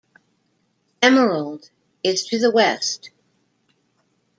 Emerald is to the west.